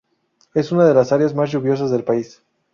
Es una de las áreas más lluviosas del país.